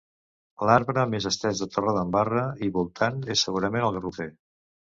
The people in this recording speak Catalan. L'arbre més estès de Torredembarra i voltants és segurament el garrofer.